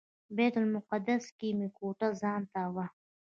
بیت المقدس کې مې کوټه ځانته وه.